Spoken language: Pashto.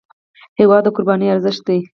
هېواد د قربانۍ ارزښت دی.